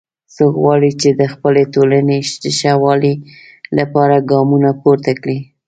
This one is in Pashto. څوک غواړي چې د خپلې ټولنې د ښه والي لپاره ګامونه پورته کړي